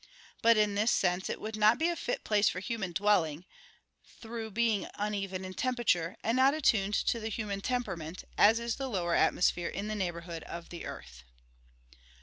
But in this sense it would not be a fit place for human dwelling, through being uneven in temperature, and not attuned to the human temperament, as is the lower atmosphere in the neighborhood of the earth.